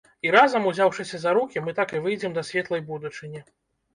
І разам, узяўшыся за рукі, мы так і выйдзем да светлай будучыні.